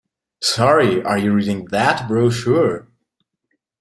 Sorry, are you reading that brochure?